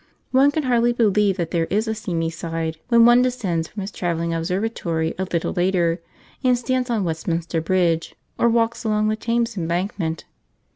One can hardly believe that there is a seamy side when one descends from his travelling observatory a little later, and stands on Westminster Bridge, or walks along the Thames Embankment.